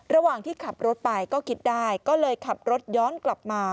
ระหว่างที่ขับรถไปก็คิดได้ก็เลยขับรถย้อนกลับมา